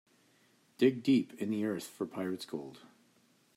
Dig deep in the earth for pirate's gold.